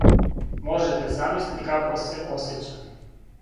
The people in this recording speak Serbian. Можете замислити како се осећам.